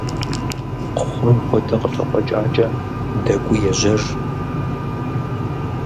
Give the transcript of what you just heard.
Хъун хуэдэ къыщыкъуэкӀакӀэ, дэкӀуи ежьэж.